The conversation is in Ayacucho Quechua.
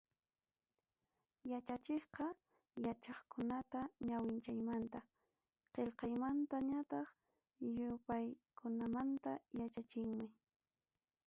Yachachiqqa yachakuqkunata ñawinchaymanta, qillqaymanta ñataq yupaykunamanta yachachinmi.